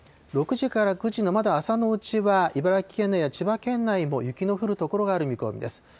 ６時から９時のまだ朝のうちは茨城県内や千葉県内も雪の降る所がある見込みです。